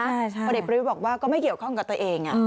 เพราะเด็กประวิทย์บอกว่าก็ไม่เกี่ยวข้องกับตัวเอง